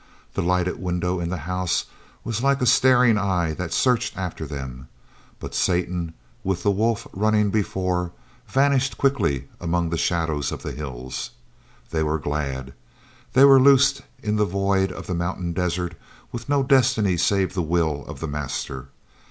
The lighted window in the house was like a staring eye that searched after them, but Satan, with the wolf running before, vanished quickly among the shadows of the hills. They were glad. They were loosed in the void of the mountain desert with no destiny save the will of the master.